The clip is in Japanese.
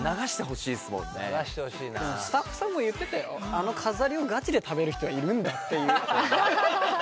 あの飾りをがちで食べる人がいるんだって。